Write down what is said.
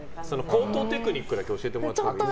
高等テクニックだけ教えてもらっていいですか。